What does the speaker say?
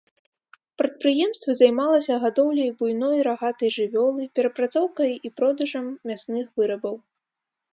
Прадпрыемства займалася гадоўляй буйной рагатай жывёлы, перапрацоўкай і продажам мясных вырабаў.